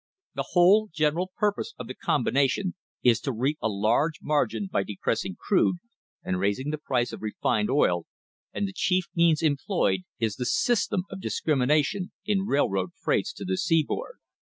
The whole general purpose of the combination is to reap a large margin by depressing crude and raising the price of refined oil, and the chief means employed is the system of discrimination in railroad freights to the seaboard."